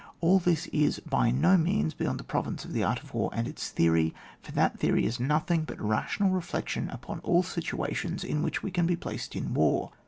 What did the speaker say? All this is by no means beyond the province of the art of war and its theory, for that theory is nothing but rational re flection upon all situations in which we can be placed in war.